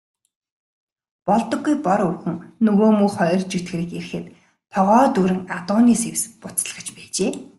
Болдоггүй Бор өвгөн нөгөө муу хоёр чөтгөрийг ирэхэд тогоо дүүрэн адууны сэвс буцалгаж байжээ.